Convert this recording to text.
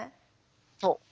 そう。